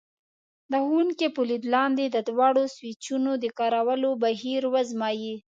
د ښوونکي په لید لاندې د دواړو سویچونو د کارولو بهیر وازمایئ.